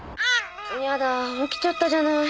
やだ起きちゃったじゃない。